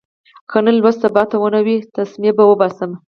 که نن لوست سبا ته ونه وي، تسمې به اوباسم.